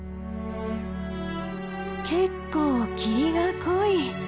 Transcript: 結構霧が濃い。